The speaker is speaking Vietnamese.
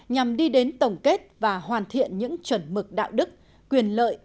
nhằm đi đến tổng kết và hoàn thiện những chuẩn mực đạo đức quyền lợi